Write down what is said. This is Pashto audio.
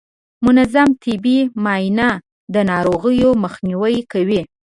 منظم طبي معاینه د ناروغیو مخنیوی کوي.